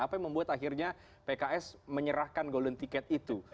apa yang membuat akhirnya pks menyerahkan golden ticket itu